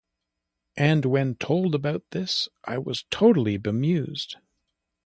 And when told about this I was totally bemused.